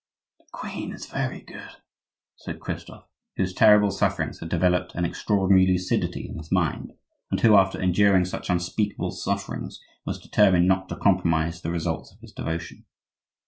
"The queen is very good," said Christophe, whose terrible sufferings had developed an extraordinary lucidity in his mind, and who, after enduring such unspeakable sufferings, was determined not to compromise the results of his devotion.